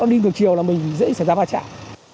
đi ngược chiều là mình dễ xảy ra bà chạm